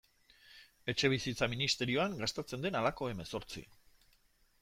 Etxebizitza ministerioan gastatzen den halako hemezortzi.